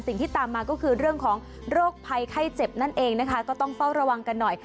สิ่งที่ตามมาก็คือเรื่องของโรคภัยไข้เจ็บนั่นเองนะคะก็ต้องเฝ้าระวังกันหน่อย